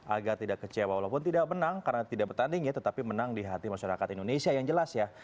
agar tidak kecewa walaupun tidak menang karena tidak bertanding ya tetapi menang di hati masyarakat indonesia yang jelas ya